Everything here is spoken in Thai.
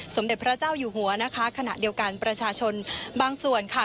สมเด็จพระเจ้าอยู่หัวนะคะขณะเดียวกันประชาชนบางส่วนค่ะ